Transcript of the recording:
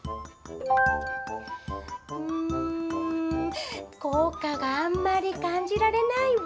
うーん、効果があんまり感じられないわ。